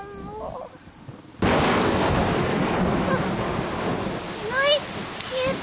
あっ！